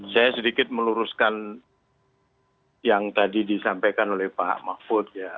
saya sedikit meluruskan yang tadi disampaikan oleh pak mahfud ya